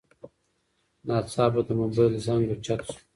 ناڅاپه د موبایل زنګ اوچت شو.